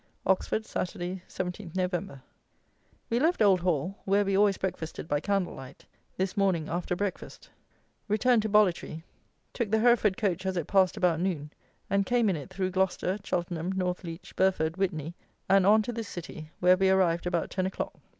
Oxford, Saturday, 17 Nov. We left OLD HALL (where we always breakfasted by candle light) this morning after breakfast; returned to Bollitree; took the Hereford coach as it passed about noon; and came in it through Gloucester, Cheltenham, Northleach, Burford, Whitney, and on to this city, where we arrived about ten o'clock.